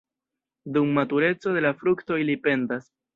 Dum matureco de la frukto ili pendas.